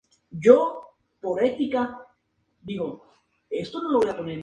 Puntero izquierdo.